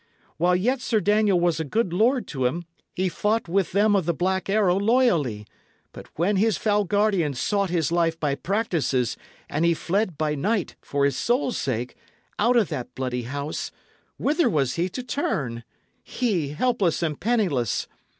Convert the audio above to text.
While yet Sir Daniel was a good lord to him, he fought with them of the Black Arrow loyally; but when his foul guardian sought his life by practices, and he fled by night, for his soul's sake, out of that bloody house, whither was he to turn he, helpless and penniless?